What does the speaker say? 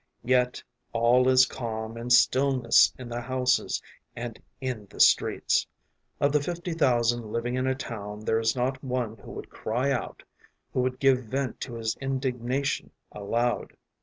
Yet all is calm and stillness in the houses and in the streets; of the fifty thousand living in a town, there is not one who would cry out, who would give vent to his indignation aloud.